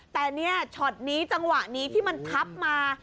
แต่เนี่ยช็อตนี้จังหวะนี้ที่มันทับมา